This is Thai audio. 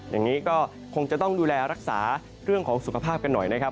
อย่างนี้ก็คงจะต้องดูแลรักษาเรื่องของสุขภาพกันหน่อยนะครับ